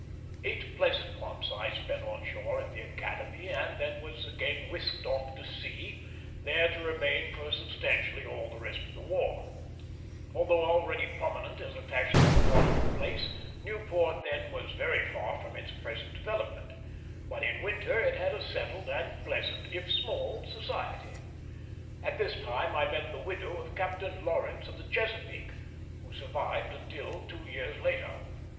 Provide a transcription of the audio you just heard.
Eight pleasant months I spent on shore at the Academy, and then was again whisked off to sea, there to remain for substantially all the rest of the war. Although already prominent as a fashionable watering place, Newport then was very far from its present development; but in winter it had a settled and pleasant, if small, society. At this time I met the widow of Captain Lawrence of the Chesapeake, who survived until two years later.